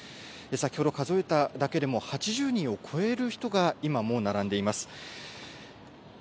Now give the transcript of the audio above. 先ほど数えただけでも８０人を超える人が今も並んでいます。